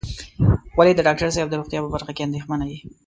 ولې د ډاکټر صاحب د روغتيا په برخه کې اندېښمن یې.